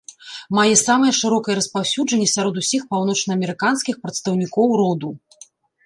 Мае самае шырокае распаўсюджанне сярод усіх паўночнаамерыканскіх прадстаўнікоў роду.